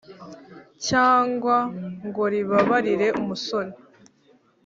cyangwa ngo ribabarire umusore.